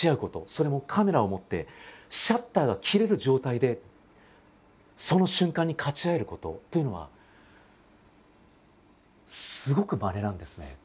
それもカメラを持ってシャッターが切れる状態でその瞬間にかち合えることというのはすごくまれなんですね。